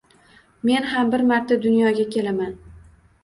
Men ham bir marta dunyoga kelaman